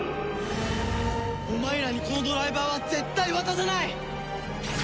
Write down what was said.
お前らにこのドライバーは絶対渡さない！